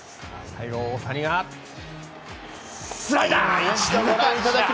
最後、大谷がスライダー！